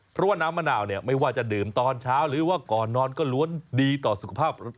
เพราะว่าน้ำมะนาวเนี่ยไม่ว่าจะดื่มตอนเช้าหรือว่าก่อนนอนก็ล้วนดีต่อสุขภาพ